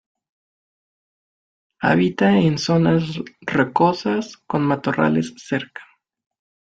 Habita en zonas rocosas con matorrales cerca.